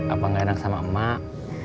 apa gak enak sama emak